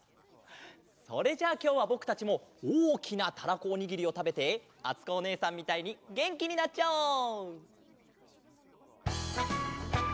それじゃあきょうはぼくたちもおおきなたらこおにぎりをたべてあつこおねえさんみたいにげんきになっちゃおう！